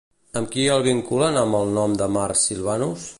Amb qui el vinculen amb el nom de Mars Silvanus?